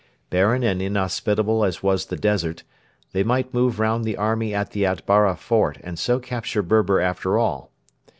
Barren and inhospitable as was the desert, they might move round the army at the Atbara fort and so capture Berber after all.